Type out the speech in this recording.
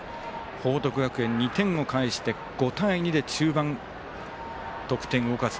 報徳学園、２点を返して５対２で中盤、得点を動かす。